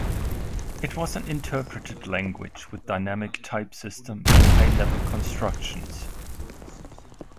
It was an interpreted language with dynamic type system and high level constructions.